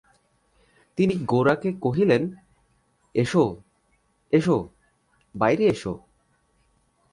তিনি গোরাকে কহিলেন, এসো, এসো, বাইরে এসো।